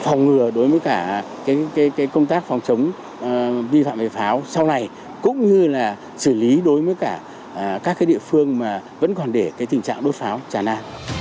phòng ngừa đối với công tác phòng chống vi phạm về pháo sau này cũng như là xử lý đối với các địa phương vẫn còn để tình trạng đốt pháo tràn an